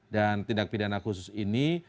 dan tindak pidana khusus ini